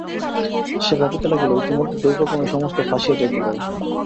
সে ভাবিতে লাগিল, ইতিমধ্যে দৈবক্রমে সমস্ত ফাঁসিয়া যাইতে পারে।